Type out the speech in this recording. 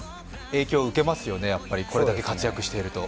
影響を受けますよね、やっぱり、これだけ活躍してると。